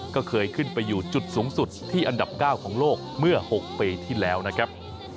ก็เคยขึ้นไปอยู่จุดสูงสุดที่อันดับ๙ของโลกเมื่อ๖ปีที่แล้วนะครับ